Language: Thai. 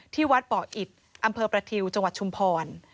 ที่วัดป่ออิดอำเภอประทิวจังหวัดชุมพร